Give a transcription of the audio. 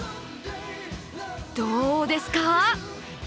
どうですか？